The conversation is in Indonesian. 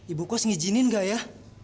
ibu kos ngijinin enggak ya